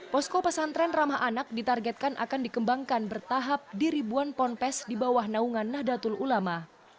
posko pesantren ramah anak ditargetkan akan dikembangkan bertahap di ribuan ponpes di bawah naungan nahdlatul ulama